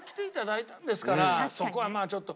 そこはまあちょっと。